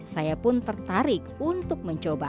saya pun tertarik untuk mencoba